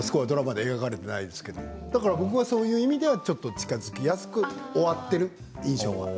ドラマでは描かれていないですけれども、だから僕はそういう意味では近づきやすく終わっている印象。